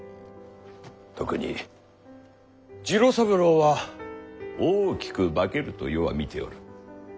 特に次郎三郎は大きく化けると余は見ておる。